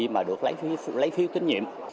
mà được lấy phiếu tín nhiệm